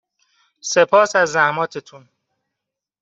سپاس از زحماتتون